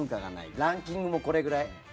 ランキングもこれくらい。